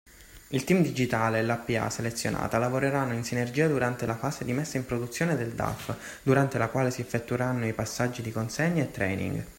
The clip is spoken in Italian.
Il Team Digitale e la PA selezionata lavoreranno in sinergia durante la fase di messa in produzione del DAF, durante la quale si effettueranno i passaggi di consegna e training.